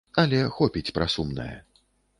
Але хопіць пра сумнае.